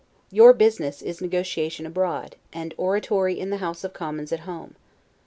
Your business is negotiation abroad, and oratory in the House of Commons at home.